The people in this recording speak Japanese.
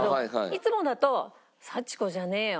いつもだと「さち子じゃねえよ」